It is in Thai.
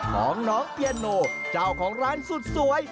น้องเปียโนเจ้าของร้านสุดสวย